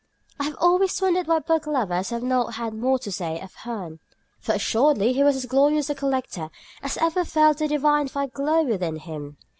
I have always wondered why book lovers have not had more to say of Hearne, for assuredly he was as glorious a collector as ever felt the divine fire glow within him.